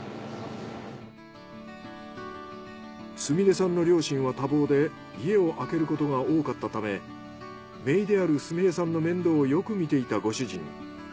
菫さんの両親は多忙で家をあけることが多かったため姪である菫さんの面倒をよく見ていたご主人。